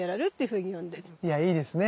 いやいいですね。